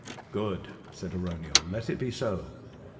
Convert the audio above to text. '' Good," said Arauniel, ''let it be so.